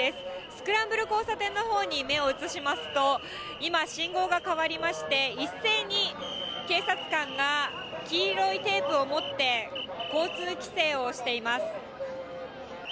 スクランブル交差点のほうに目を移しますと、今、信号が変わりまして、一斉に警察官が黄色いテープを持って、交通規制をしています。